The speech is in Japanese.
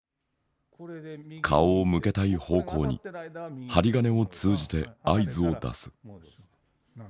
顔を向けたい方向に針金を通じて合図を出す。